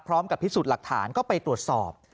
พร้อมกับพิสูจน์หลักฐานก็ไปตรวจสอบ